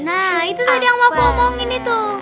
nah itu tadi yang mau aku omongin itu